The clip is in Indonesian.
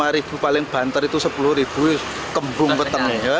rp lima paling banter itu rp sepuluh kembung ketengnya